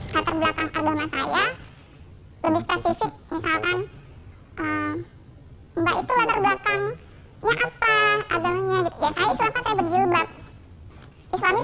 ketika itu orang lain yang melakukan misalnya itu juga bukan urusan saya